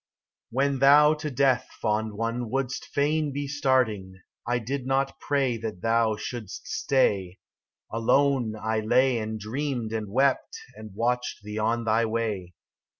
WHEN thou to death, fond one, wouldst fain be starting, I did not pray That thou shouldst stay ; Alone I lay And dreamed and wept and watched thee on thy way.